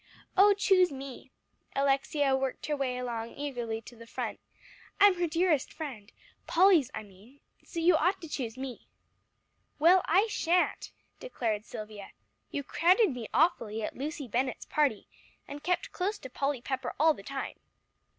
"Oh, choose me." Alexia worked her way along eagerly to the front. "I'm her dearest friend Polly's, I mean. So you ought to choose me." "Well, I sha'n't," declared Silvia. "You crowded me awfully at Lucy Bennett's party, and kept close to Polly Pepper all the time."